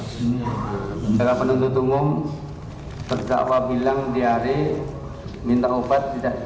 pada penentu tunggung terdakwa bilang di hari minta obat tidak dikasih sama dokter